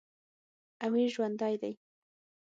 امیر ژوندی دی.